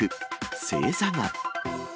正座が。